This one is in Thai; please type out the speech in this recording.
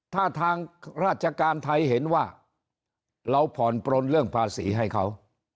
ถ้าทางราชการไทยเห็นว่าเราผ่อนปลนเรื่องภาษีให้เขา